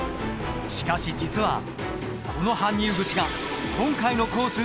しかし実はこの搬入口が今回のコース